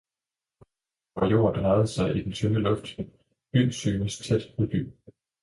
vor jord drejede sig i den tynde luft, by syntes tæt ved by.